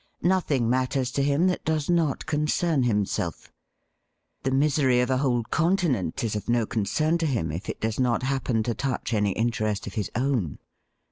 Nothing matters to him that does not concern himself. The misery of a whole continent is of no concern to him, if it does not happen to touch any interest of his own.